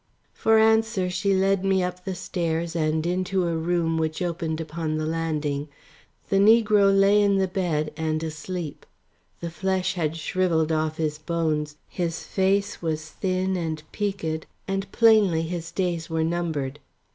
For answer she led me up the stairs, and into a room which opened upon the landing. The negro lay in bed and asleep. The flesh had shrivelled off his bones, his face was thin and peaked, and plainly his days were numbered.